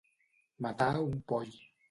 Matar un poll.